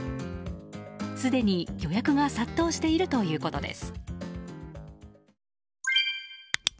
すでに予約が殺到しているということです。